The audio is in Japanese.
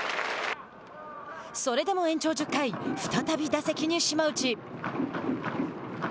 それでも延長１０回再び、打席に島内。